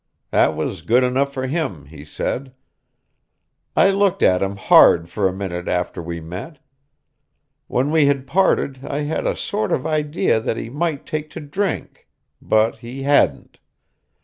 That was good enough for him, he said. I looked at him hard for a minute after we met. When we had parted I had a sort of idea that he might take to drink, but he hadn't.